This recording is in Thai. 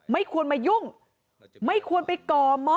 ไม่ควรมายุ่งไม่ควรไปก่อม้อ